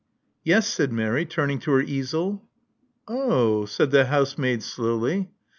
Yes/* said Mary, turning to her easel. 0h!" said the housemaid slowly.